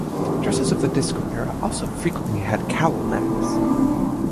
Dresses of the disco era also frequently had cowl necks.